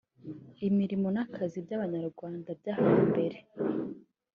imirimo n’akazi by’abanyarwanda byo hambere